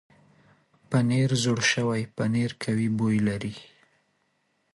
پنېر زوړ شوی پنېر قوي بوی لري.